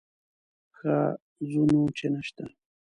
ښه ځه نو چې نه شته.